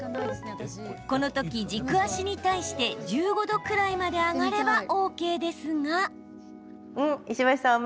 このとき、軸足に対して１５度くらいまで上がればＯＫですが。